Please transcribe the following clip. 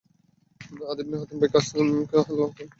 আদী ibn Hatim Tai এর কসমকে আল্লাহ তাআলা বাস্তবায়িত করেছেন।